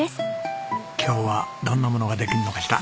今日はどんなものができるのかしら？